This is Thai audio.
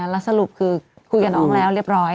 แล้วสรุปคือคุยกับน้องแล้วเรียบร้อย